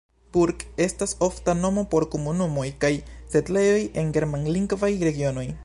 Burg estas ofta nomo por komunumoj kaj setlejoj en germanlingvaj regionoj.